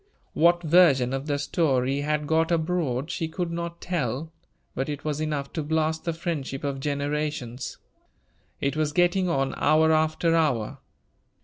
What version of the story had got abroad, she could not tell; but it was enough to blast the friendship of generations. It was getting on, hour after hour.